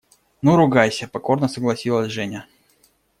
– Ну, ругайся, – покорно согласилась Женя.